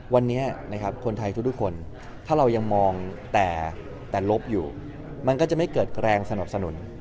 วันนี้นะครับคนไทยทุกคนถ้าเรายังมองแต่ลบอยู่มันก็จะไม่เกิดแรงสนับสนุน